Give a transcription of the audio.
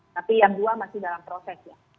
tapi yang dua masih dalam proses ya